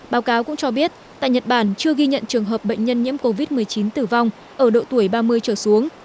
báo cáo cũng cho biết tại nhật bản chưa ghi nhận trường hợp bệnh nhân nhiễm covid một mươi chín tử vong ở độ tuổi ba mươi trở xuống